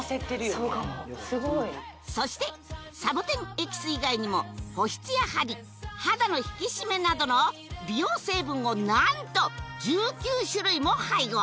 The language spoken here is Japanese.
そうかもすごいそしてサボテンエキス以外にも保湿やハリ肌の引き締めなどの美容成分を何と１９種類も配合